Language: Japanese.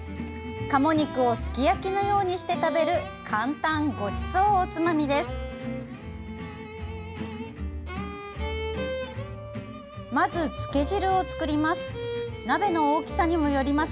鴨肉をすき焼きのようにして食べる簡単ごちそうおつまみです。